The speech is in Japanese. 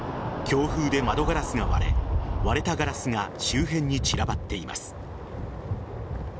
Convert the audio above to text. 強風で窓ガラスが割れ割れたガラスが周辺に散らばっています。